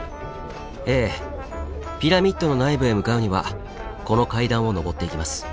ええピラミッドの内部へ向かうにはこの階段を上っていきます。